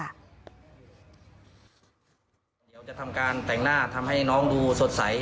เดี๋ยวจะทำการแต่งหน้าทำให้น้องดูสดใส